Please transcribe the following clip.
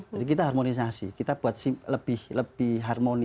jadi kita harmonisasi kita buat lebih lebih harmoni